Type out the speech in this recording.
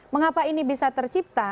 mengapa ini bisa tercipta